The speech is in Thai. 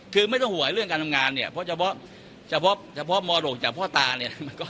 คือไม่ต้องห่วยเรื่องการทำงานเนี่ยเฉพาะมอดกจากพ่อตาเนี่ย